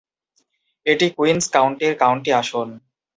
এটি কুইন্স কাউন্টির কাউন্টি আসন।